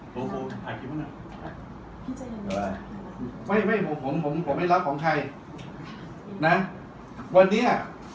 พี่ทีทีพี่น้องคนนี้ใช่ไหมเอาไว้ให้จ่ายน้อยเนี่ย